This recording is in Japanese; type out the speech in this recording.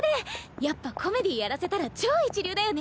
やっぱコメディーやらせたら超一流だよね。